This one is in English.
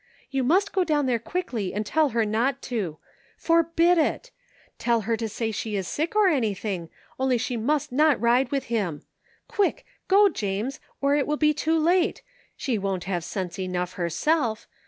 You must go down there quickly and tell her not to. Forbid it ! Tell her to say she is sick or anything, only she must not ride with him. Quick! Go, James! or it will be too late! She won't have sense enough herself.